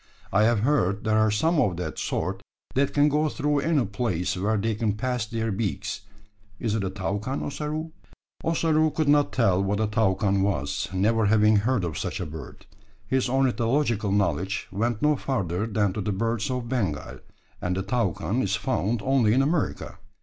I have heard there are some of that sort that can go through any place where they can pass their beaks. Is it a toucan, Ossaroo?" Ossaroo could not tell what a toucan was, never having heard of such a bird. His ornithological knowledge went no further than to the birds of Bengal; and the toucan is found only in America.